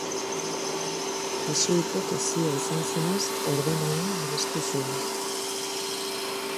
Jesuitek hezia izan zenez, ordena hau babestu zuen.